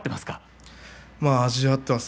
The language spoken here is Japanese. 味わっています。